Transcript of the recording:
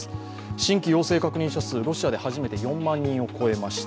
新規陽性確認者数、ロシアで初めて４万人を超えました。